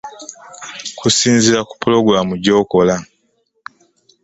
Kusinziira ku pulogulaamu gy'okola.